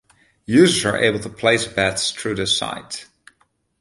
Users are able to place bets through the site.